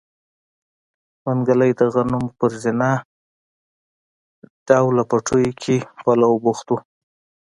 منګلی د غنمو په زينه ډوله پټيو کې په لو بوخت و.